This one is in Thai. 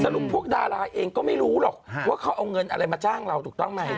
พวกดาราเองก็ไม่รู้หรอกว่าเขาเอาเงินอะไรมาจ้างเราถูกต้องไหม